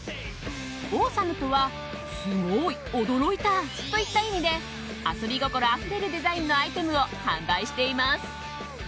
オーサムとはすごい・驚いたといった意味で遊び心あふれるデザインのアイテムを販売しています。